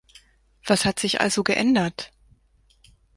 Was hat sich also geändert?